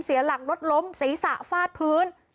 เสียหลักรถล้มศีรษะฟาดพื้น